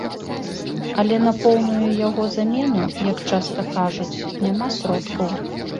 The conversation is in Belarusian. Але на поўную яго замену, як часта кажуць, няма сродкаў.